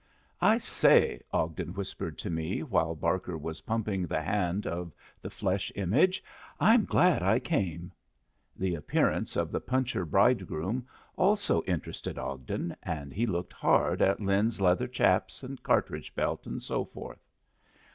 "I say," Ogden whispered to me while Barker was pumping the hand of the flesh image, "I'm glad I came." The appearance of the puncher bridegroom also interested Ogden, and he looked hard at Lin's leather chaps and cartridge belt and so forth.